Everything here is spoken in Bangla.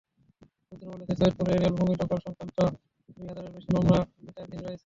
সূত্র বলেছে, সৈয়দপুরে রেলভূমি দখল-সংক্রান্ত দুই হাজারেরও বেশি মামলা বিচারাধীন রয়েছে।